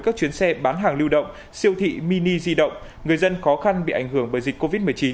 các chuyến xe bán hàng lưu động siêu thị mini di động người dân khó khăn bị ảnh hưởng bởi dịch covid một mươi chín